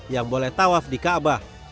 yang boleh tawaf di kaabah